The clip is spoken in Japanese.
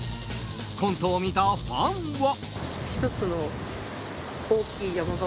コントを見たファンは。